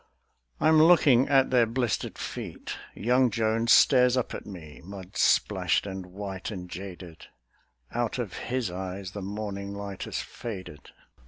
III I'm looking at their blistered feet; young Jones Stares up at me, mud splashed and white and jaded; Out of his eyes the morning light has faded.